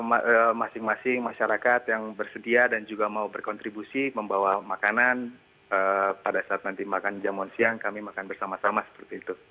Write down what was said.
jadi masing masing masyarakat yang bersedia dan juga mau berkontribusi membawa makanan pada saat nanti makan jamuan siang kami makan bersama sama seperti itu